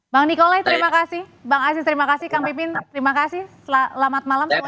bang nikolai terima kasih bang aziz terima kasih kang pipin terima kasih selamat malam semuanya